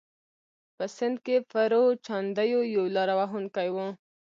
په سند کې پرو چاندیو یو لاره وهونکی و.